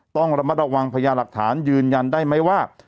ต้องระมัดระวังพญาหลักฐานยืนยันได้ไหมว่า